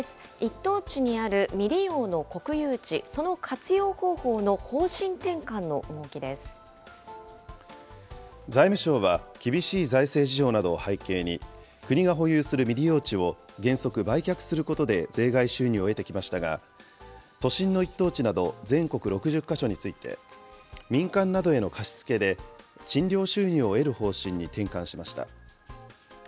一等地にある未利用の国有地、そ財務省は、厳しい財政事情などを背景に、国が保有する未利用地を、原則、売却することで税外収入を得てきましたが、都心の一等地など全国６０か所について、民間などへの貸し付けで、賃料収入を得る方針に転換しました。